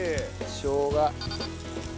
しょうが。